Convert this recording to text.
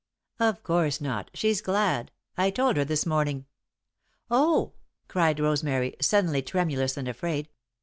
"Of course not. She's glad. I told her this morning." "Oh!" cried Rosemary, suddenly tremulous and afraid.